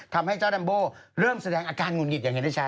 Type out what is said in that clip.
ทำให้เจ้าดัมโบเริ่มแสดงอาการหงุดหงิดอย่างเห็นได้ชัด